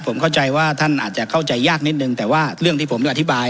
ผมเข้าใจว่าท่านอาจจะเข้าใจยากนิดนึงแต่ว่าเรื่องที่ผมได้อธิบาย